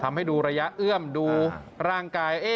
ทำให้ดูระยะเอื้อมดูร่างกาย